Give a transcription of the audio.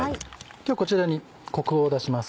今日こちらにコクを出します